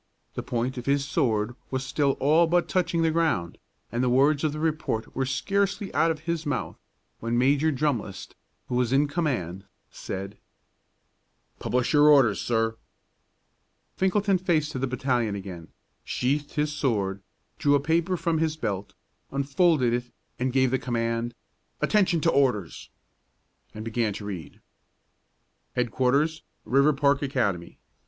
The point of his sword was still all but touching the ground, and the words of the report were scarcely out of his mouth, when Major Drumlist, who was in command, said, "Publish your Orders, sir." Finkelton faced to the battalion again, sheathed his sword, drew a paper from his belt, unfolded it, gave the command: "Attention to orders!" and began to read. HEADQUARTERS, RIVERPARK ACADEMY.